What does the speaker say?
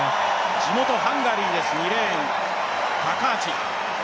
地元ハンガリーです、２レーン、タカーチ。